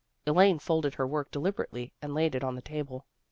Elaine folded her work deliberately and laid it on the table.